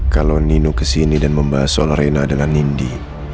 kalau nino kesini dan membahas soal reina dengan nindi